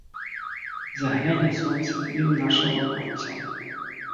Загляне сонца i ў наша ваконца